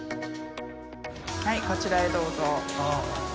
はいこちらへどうぞ。